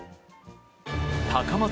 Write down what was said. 高松